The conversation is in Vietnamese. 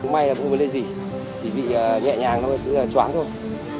may là không có lây dỉ chỉ bị nhẹ nhàng thôi cứ là chóng thôi